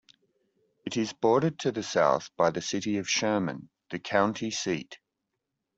It is bordered to the south by the city of Sherman, the county seat.